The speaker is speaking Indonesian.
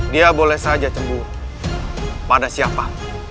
dia boleh saja cembuh pada siapa